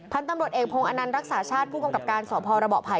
พันธุ์ตำรวจเอกพงษอนันต์รักษาชาติผู้กำกับการสพระเบาะไผ